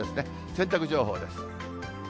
洗濯情報です。